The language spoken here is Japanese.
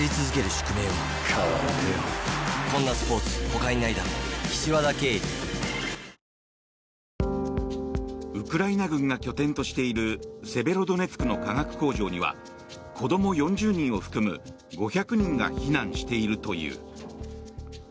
およそ５００人がウクライナ軍が拠点としているセベロドネツクの化学工場には子ども４０人を含む５００人が避難しているという。